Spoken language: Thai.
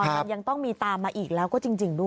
มันยังต้องมีตามมาอีกแล้วก็จริงด้วย